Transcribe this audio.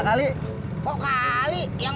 terima kasih bang